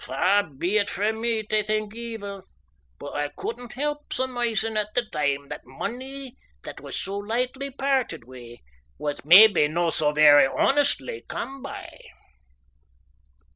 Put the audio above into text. Far be it frae me tae think evil, but I couldna help surmisin' at the time that money that was so lightly pairted wi' was maybe no' so very honestly cam by.